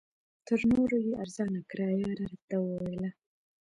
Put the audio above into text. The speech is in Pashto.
تر نورو یې ارزانه کرایه راته وویل.